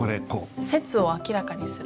「説を明らかにする」。